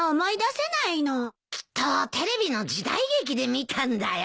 きっとテレビの時代劇で見たんだよ。